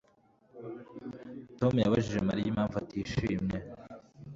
Tom yabajije Mariya impamvu atishimye